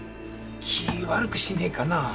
気ぃ悪くしねえかな？